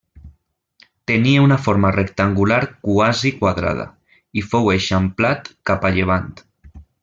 Tenia una forma rectangular quasi quadrada, i fou eixamplat cap a llevant.